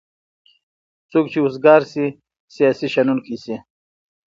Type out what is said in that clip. څوک چې اوزګار شی سیاسي شنوونکی شي.